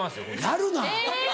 やるな。